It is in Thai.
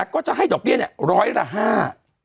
ก็จะให้ดอกเบี้ยเนี่ยร้อยละห้า